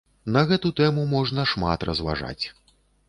На гэту тэму можна шмат разважаць.